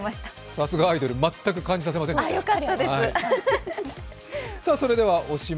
さすがアイドル全く感じさせませんでした。